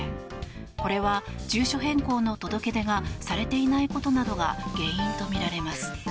これは、住所変更の届け出がされていないことなどが原因とみられます。